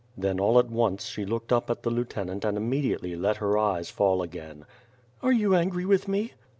Then all at once, she looked up at the lieutenant and im mediately let her eyes fall again. "Are you angry with me?"